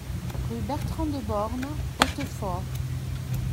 Rue Bertran de Born, Hautefort